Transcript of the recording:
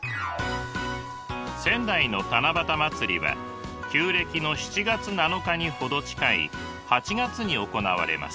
仙台の七夕まつりは旧暦の７月７日に程近い８月に行われます。